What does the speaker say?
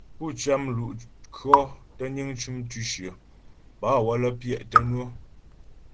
Pú cyǎ mlu'kʉɔ̌ tə́ niŋ cʉm tʉ̌shyə bâ waə́lə́ pyɛ' tə́ ŋwə̌.